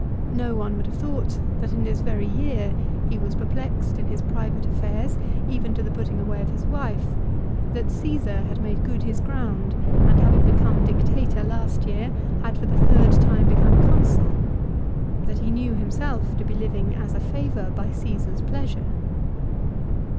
No one would have thought that in this very year he was perplexed in his private affairs, even to the putting away of his wife ; that Csesar had made good his ground, and, having been Dictator last year, had for the third time become Consul ; that he knew himself to be living, as a favour, by Csesar's pleasure.